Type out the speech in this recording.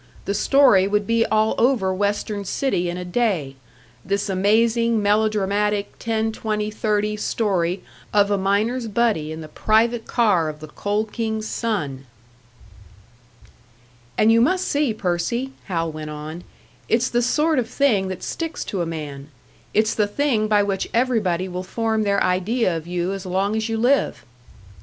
The story would be all over Western City in a day this amazing, melodramatic, ten twenty thirty story of a miner's buddy in the private car of the Coal King's son! "And you must see, Percy," Hal went on, "it's the sort of thing that sticks to a man. It's the thing by which everybody will form their idea of you as long as you live!"